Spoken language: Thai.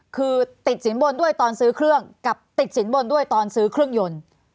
คือติดสินบนด้วยตอนซื้อเครื่องกับติดสินบนด้วยตอนซื้อเครื่องยนต์